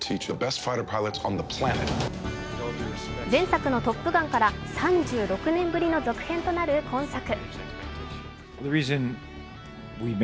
前作の「トップガン」から３６年ぶりの続編となる今作。